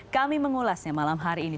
kami mengulasnya malam hari ini